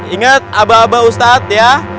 ingat abah abah ustadz ya